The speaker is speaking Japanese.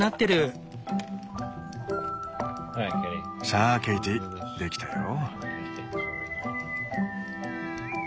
さあケイティできたよ。